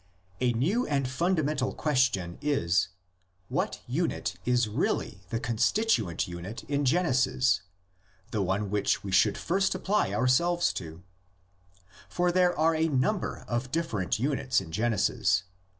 A new and fundamental question is: "What unit is really the constituent unit in Genesis, the one which we should first apply ourselves to? For there are a number of different units in Genesis.